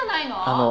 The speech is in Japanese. あの。